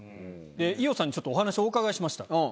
伊代さんにちょっとお話をお伺いしました。